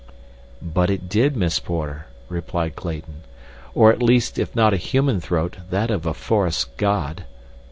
"But it did, Miss Porter," replied Clayton; "or at least if not a human throat that of a forest god."